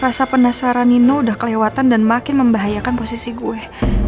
rasa penasaran nino udah kelewatan dan makin membahayakan posisi gue